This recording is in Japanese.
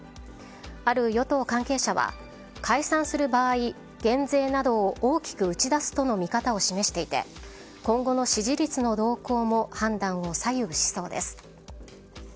ある与党関係者は、解散する場合減税などを大きく打ち出すとの見方を示していて今後の支持率の動向も判断を左右しそうです。